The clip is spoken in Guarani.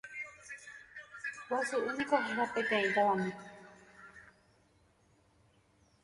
Guasu'y niko héra peteĩ tavami.